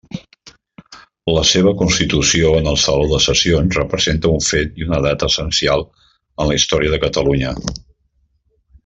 La seva constitució en el Saló de Sessions representa un fet i una data essencials en la història de Catalunya.